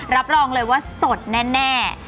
รับรองเลยว่าสดแน่